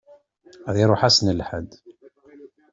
Ad iṛuḥ ass n lḥedd.